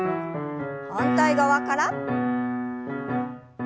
反対側から。